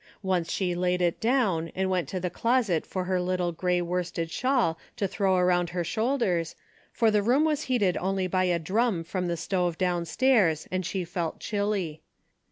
Once she laid it down and went to the closet for her little grey worsted shawl to throw around her shoulders, for the room was heated only by a drum from the stove downstairs and she felt chilly.